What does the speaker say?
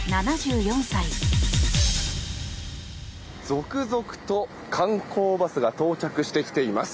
続々と観光バスが到着してきています。